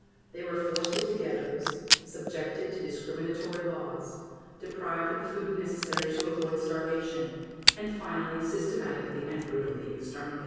They were forced into ghettos, subjected to discriminatory laws, deprived of the food necessary to avoid starvation, and finally systematically and brutally exterminated.